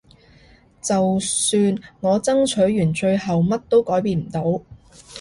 就算我爭取完最後乜都改變唔到